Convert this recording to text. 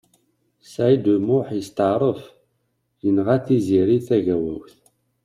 Saɛid U Muḥ yesṭeɛref yenɣa Tiziri Tagawawt.